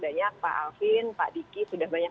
banyak pak alvin pak diki sudah banyak